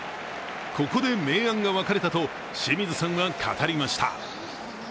ここで明暗が分かれたと清水さんは語りました。